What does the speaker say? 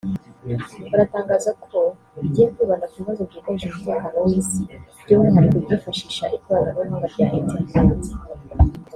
baratangaza ko igiye kwibanda ku bibazo byugarije umutekano w’isi by’umwihariko ibyifashisha ikoranabuhanga rya internet